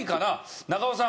中尾さん